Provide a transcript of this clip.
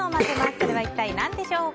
それは一体何でしょう？